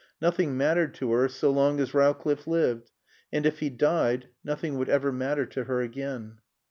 Nothing mattered to her so long as Rowcliffe lived. And if he died nothing would ever matter to her again.